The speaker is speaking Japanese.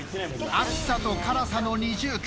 熱さと辛さの二重苦。